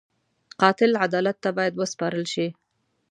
قاتل عدالت ته باید وسپارل شي